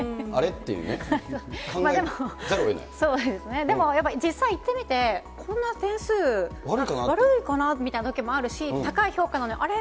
っていうね、そうですね、でも実際やってみて、こんな点数悪いかなみたいなときもあるし、高い評価なのに、あれ？